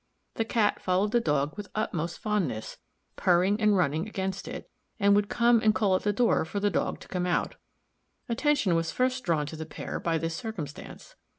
The Cat followed the Dog with the utmost fondness, purring and running against it, and would come and call at the door for the Dog to come out. Attention was first drawn to the pair by this circumstance.